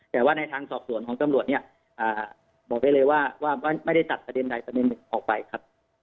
แต่ว่าในทางสอบส่วนของตำรวจเนี่ยบอกได้เลยว่าไม่ได้ตัดประเด็นใดประเด็นหนึ่งออกไปครับ